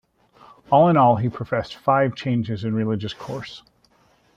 All in all, he professed five changes in religious course.